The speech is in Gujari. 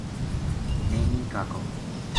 نی نی کاکو